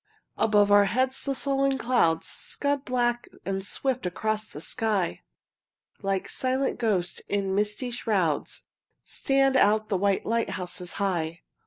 Above our heads the sullen clouds Scud black and swift across the sky; Like silent ghosts in misty shrouds Stand out the white lighthouses high.